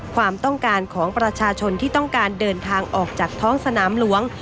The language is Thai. ความต้องการของประชาชนที่ต้องการเดินทางออกจากท้องสนามหลวง